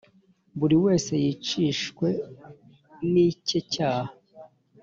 buri wese yicishwe n’ icye cyaha.